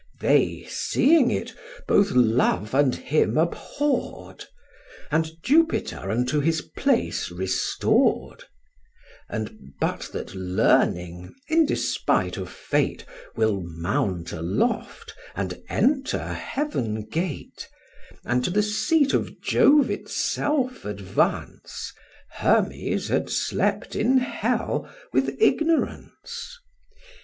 They, seeing it, both Love and him abhorr'd, And Jupiter unto his place restor'd: And, but that learning, in despite of Fate, Will amount aloft, and enter heaven gate, And to the seat of Jove itself advance, Hermes had slept in hell with Ignorance.